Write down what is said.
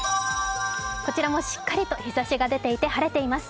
こちらもしっかりと日ざしが出ていて晴れています。